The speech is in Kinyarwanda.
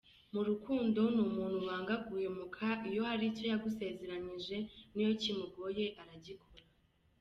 Mu rukundo ni umuntu wanga guhemuka, iyo hari icyo yagusezeranyije niyo kimugoye aragikora.